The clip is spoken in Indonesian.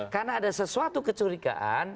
karena ada sesuatu kecurigaan